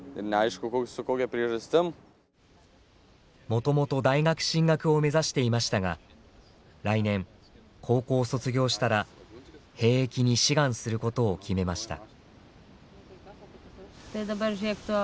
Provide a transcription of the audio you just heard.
もともと大学進学を目指していましたが来年高校を卒業したら兵役に志願することを決めました。